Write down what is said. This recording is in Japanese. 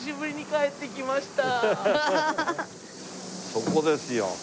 ここですよ。